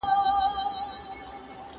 ¬ چي زه او ته راضي، څه او څه غيم د قاضي.